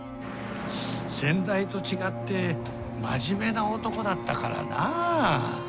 先代と違って真面目な男だったからなあ。